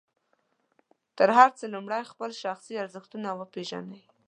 تر هر څه لومړی خپل شخصي ارزښتونه وپېژنئ.